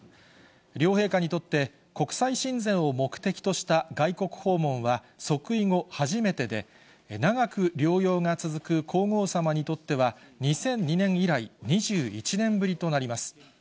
両陛下にとって、国際親善を目的とした外国訪問は、即位後初めてで、長く療養が続く皇后さまにとっては、２００２年以来、２１年ぶりとなります。